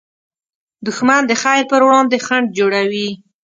دښمن د خیر پر وړاندې خنډ جوړوي